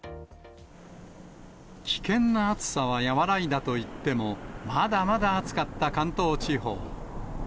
危険な暑さは和らいだといっても、まだまだ暑かった関東地方。